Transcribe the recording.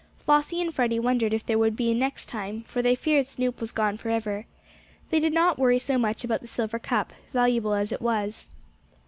Flossie and Freddie wondered if there would be a "next time," for they feared Snoop was gone forever. They did not worry so much about the silver cup, valuable as it was.